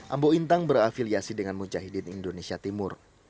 ambo intang berafiliasi dengan mujahidin indonesia timur